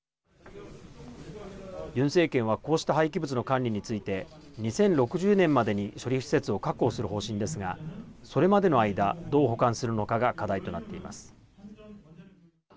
ユン政権は、こうした廃棄物の管理について２０６０年までに処理施設を確保する方針ですがそれまでの間どう保管するのかが課題となっています。